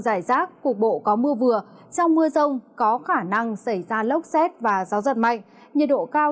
giải rác cục bộ có mưa vừa trong mưa rông có khả năng xảy ra lốc xét và gió giật mạnh nhiệt độ cao